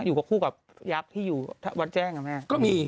อยู่กับคู่กับยับที่อยู่วัดแจ้งกับแม่